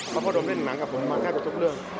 พ่อดมเล่นหนังกับผมมาแค่กับทุกเรื่อง